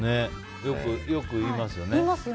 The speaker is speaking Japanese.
よく言いますよね。